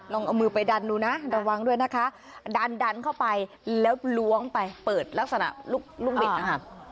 ลองเอามือไปดันดูนะระวังด้วยนะคะดันดันเข้าไปแล้วล้วงไปเปิดลักษณะลูกบิดนะคะ